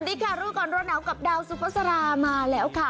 ค่ะรู้ก่อนร้อนหนาวกับดาวสุภาษามาแล้วค่ะ